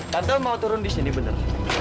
tante mau turun disini bentar